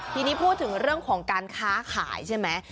ทีนี้พูดถึงเรื่องของการค้าขายใช่ไหม